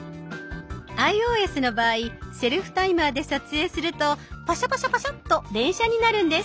ｉＯＳの場合セルフタイマーで撮影するとパシャパシャパシャッと連写になるんです。